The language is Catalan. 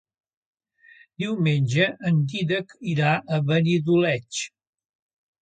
Diumenge en Dídac irà a Benidoleig.